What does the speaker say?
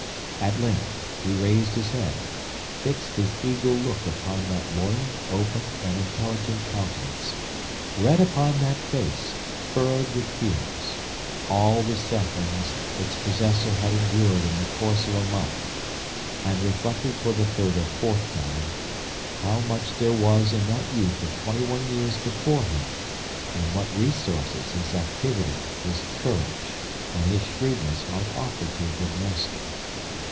At length he raised his head, fixed his eagle look upon that loyal, open, and intelligent countenance, read upon that face, furrowed with tears, all the sufferings its possessor had endured in the course of a month, and reflected for the third or fourth time how much there was in that youth of twenty one years before him, and what resources his activity, his courage, and his shrewdness might offer to a good master.